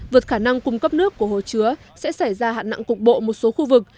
vượt khả năng cung cấp nước của hồ chứa sẽ xảy ra hạn nặng cục bộ một số khu vực